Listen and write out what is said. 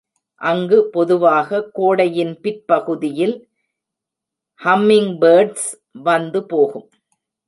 அங்கு பொதுவாக கோடையின் பிற்பகுதியில் ஹம்மிங்பேர்ட்ஸ் வந்து போகும்.